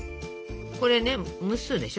これね蒸すでしょ